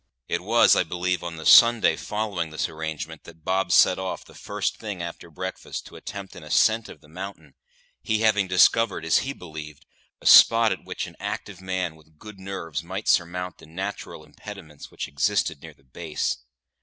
It was, I believe, on the Sunday following this arrangement that Bob set off the first thing after breakfast to attempt an ascent of the mountain, he having discovered, as he believed, a spot at which an active man with good nerves might surmount the natural impediments which existed near the base.